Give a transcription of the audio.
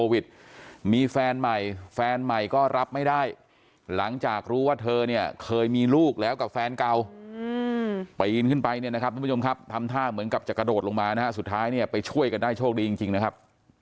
เหมือนกับจะกระโดดลงมานะครับสุดท้ายเนี่ยไปช่วยกันได้โชคดีจริงนะครับ